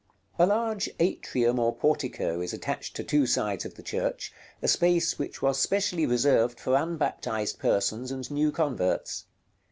§ LXV. A large atrium or portico is attached to two sides of the church, a space which was especially reserved for unbaptized persons and new converts.